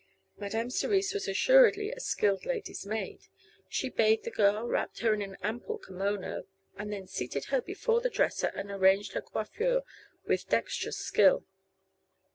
Madame Cerise was assuredly a skilled lady's maid. She bathed the girl, wrapped her in an ample kimono and then seated her before the dresser and arranged her coiffure with dextrous skill.